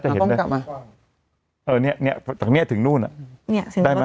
หลังป้องกลับมาเออเนี้ยเนี้ยตรงเนี้ยถึงนู่นอ่ะเนี้ยถึงรถเมล์